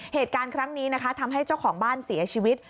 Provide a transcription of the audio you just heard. เหตุการณ์ครั้งนี้นะคะทำให้เจ้าของบ้านเสียชีวิต